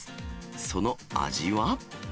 その味は。